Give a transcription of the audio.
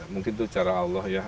mungkin itu cara allah ya